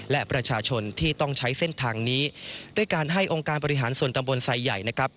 และประชาชนที่ต้องใช้เส้นทางนี้ด้วยการให้องค์การบริหารส่วนตำบลไซใหญ่นะครับ